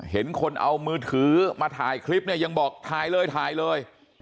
เห็นคนเอามือถือมาถ่ายคลิปเนี่ยยังบอกถ่ายเลยถ่ายเลย